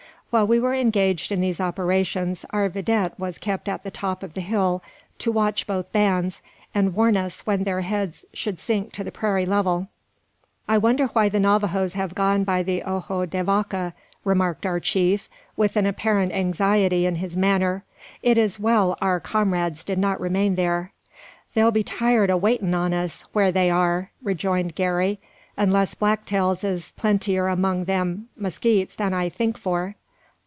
While we were engaged in these operations, our vidette was kept at the top of the hill to watch both bands, and warn us when their heads should sink to the prairie level. "I wonder why the Navajoes have gone by the Ojo de Vaca," remarked our chief, with an apparent anxiety in his manner. "It is well our comrades did not remain there." "They'll be tired o' waitin' on us, whar they are," rejoined Garey, "unless blacktails is plentier among them Musquites than I think for."